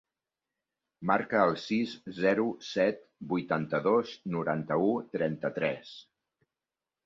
Marca el sis, zero, set, vuitanta-dos, noranta-u, trenta-tres.